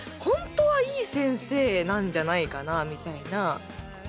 ホントはいい先生なんじゃないかなみたいな。